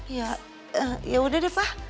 ya yaudah deh pa